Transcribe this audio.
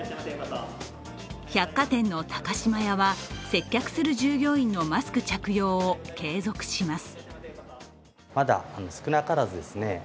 百貨店の高島屋は、接客する従業員のマスク着用を継続します。